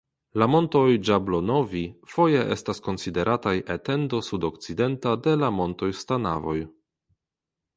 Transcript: La montoj Ĝablonovi foje estas konsiderataj etendo sudokcidenta de la montoj Stanavoj.